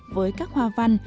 với các hoa văn